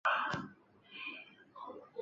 依法惩处